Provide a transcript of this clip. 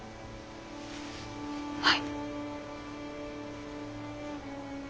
はい。